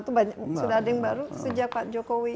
itu sudah ada yang baru sejak pak jokowi